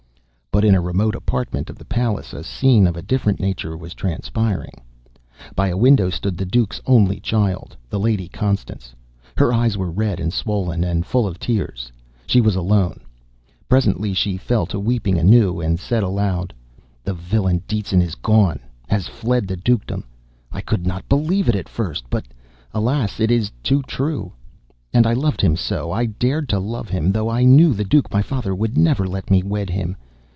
But in a remote apartment of the palace a scene of a different nature was, transpiring. By a window stood the Duke's only child, the Lady Constance. Her eyes were red and swollen, and full of tears. She was alone. Presently she fell to weeping anew, and said aloud: "The villain Detzin is gone has fled the dukedom! I could not believe it at first, but alas! it is too true. And I loved him so. I dared to love him though I knew the Duke my father would never let me wed him.